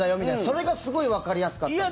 それがすごいわかりやすかったんです。